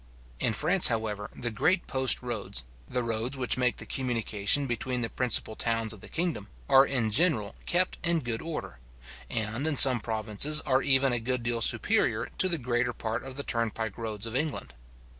In France, however, the great post roads, the roads which make the communication between the principal towns of the kingdom, are in general kept in good order; and, in some provinces, are even a good deal superior to the greater part of the turnpike roads of England.